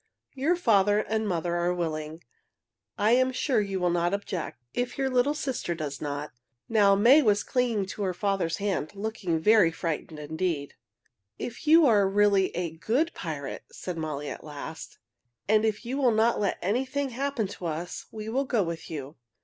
"Your father and mother are willing. I am sure you will not object, if your little sister does not." Now, May was clinging to her father's hand, looking very frightened indeed. "If you are really a good pirate," said Molly at last, "and if you will not let anything happen to us, we will go with you.